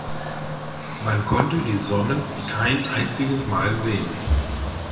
Man konnte die Sonne kein einziges Mal sehen.